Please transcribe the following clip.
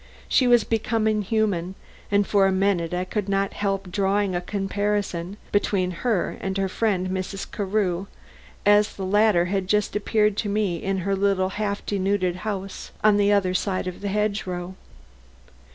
She was becoming human, and for a minute I could not help drawing a comparison between her and her friend Mrs. Carew as the latter had just appeared to me in her little half denuded house on the other side of the hedge row.